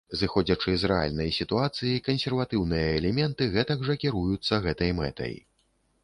Зыходзячы з рэальнай сітуацыі, кансерватыўныя элементы гэтак жа кіруюцца гэтай мэтай.